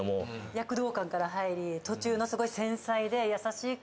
躍動感から入り途中のすごい繊細で優しい感じになる。